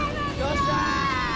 よっしゃ！